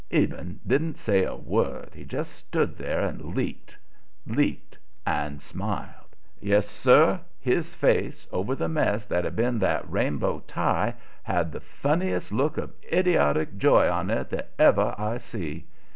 Eben didn't say a word. He just stood there and leaked. Leaked and smiled. Yes, sir! his face, over the mess that had been that rainbow necktie, had the funniest look of idiotic joy on it that ever I see.